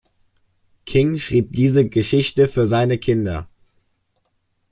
King schrieb diese Geschichte für seine Kinder.